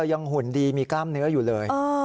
หุ่นดีมีกล้ามเนื้ออยู่เลย